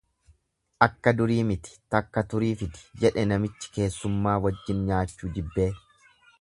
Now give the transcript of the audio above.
Akka durii miti takka turii fidi jedhe namichi keessummaa wajjin nyaachuu jibbee.